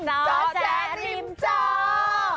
เจาะแจ๊ะริมเจาะ